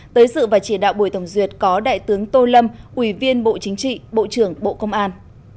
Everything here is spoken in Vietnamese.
tới sự và chỉ đạo buổi tổng duyệt có đại tướng tô lâm ủy viên bộ chính trị bộ trưởng bộ công an